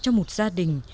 trong một gia đình